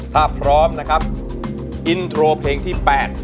ถ้าพร้อมนะครับอินโทรเพลงที่๘